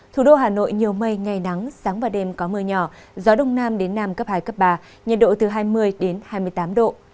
thủ đô hà nội nhiều mây ngày nắng sáng và đêm có mưa nhỏ gió đông nam đến nam cấp hai cấp ba nhiệt độ từ hai mươi đến hai mươi tám độ